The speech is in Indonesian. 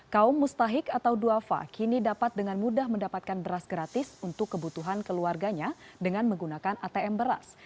kaum mustahik atau duafa kini dapat dengan mudah mendapatkan beras gratis untuk kebutuhan keluarganya dengan menggunakan atm beras